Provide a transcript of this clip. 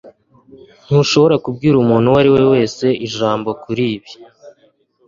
Ntushobora kubwira umuntu uwo ari we wese ijambo kuri ibi.